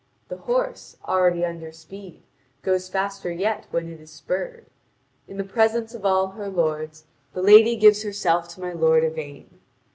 The horse, already under speed, goes faster yet when it is spurred. In the presence of all her lords, the lady gives herself to my lord Yvain.